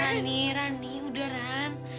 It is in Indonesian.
rani rani udah ren